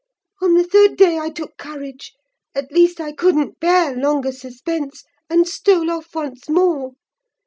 On the third day I took courage: at least, I couldn't bear longer suspense, and stole off once more.